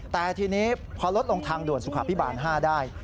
แต่ทีนี้พอลดลงทางด่วนสุขภิบาล๕ได้